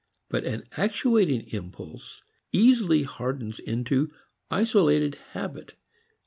But an actuating impulse easily hardens into isolated habit.